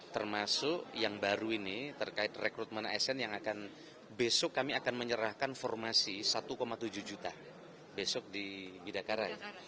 termasuk yang baru ini terkait rekrutmen asn yang akan besok kami akan menyerahkan formasi satu tujuh juta besok di bidakarai